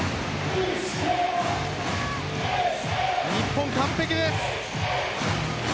日本、完璧です。